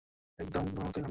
একদম তোমার মতোই হবে।